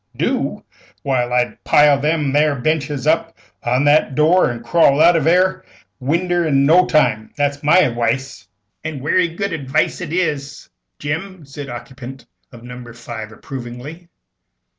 "Do? Why, I'd pile them 'ere benches up agin that 'ere door, an' crawl out of that 'erc winder in no time. That's my adwice." "And werry good adwice it is, Jim," said the occupant of No. 5, approvingly.